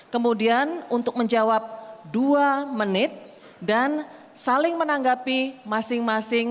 kemudian untuk menjawab dua menit dan saling menanggapi masing masing